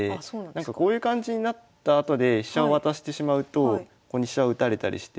こういう感じになったあとで飛車を渡してしまうとここに飛車を打たれたりして。